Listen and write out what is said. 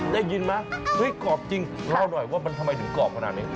ได้ยินไหมเฮ้ยกรอบจริงรอหน่อยว่ามันทำไมถึงกรอบขนาดนี้